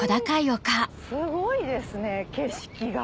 すごいですね景色が。